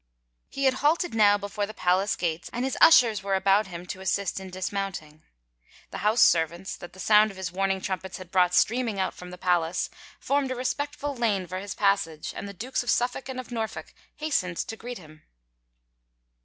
He had halted now before the palace gates and his ushers were about him to assist in dismounting. The house servants, that the sound of his warning trtmipets had brought streaming out from the palace, formed a respectful lane for his passage, and the Dukes of Suffolk and of Norfolk hastened to greet him.